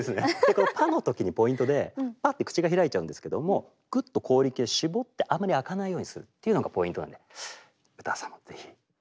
この「ぱ」のときにポイントで「ぱ」って口が開いちゃうんですけどもぐっと口輪筋をしぼってあんまり開かないようにするっていうのがポイントなんで詩羽さんもぜひ。